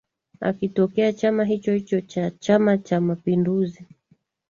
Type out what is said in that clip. akitokea chama hichohicho cha Chamacha mapinduzi